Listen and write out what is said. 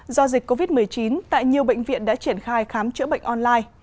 do dịch covid một mươi chín tại nhiều bệnh viện đã triển khai khám chữa bệnh online